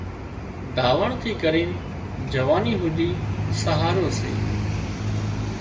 ڌاوڻ ٿِي ڪرينَ جوانِي هوڌي سهارو سي